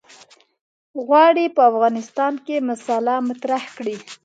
غواړي په افغانستان کې مسأله مطرح کړي.